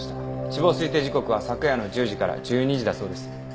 死亡推定時刻は昨夜の１０時から１２時だそうです。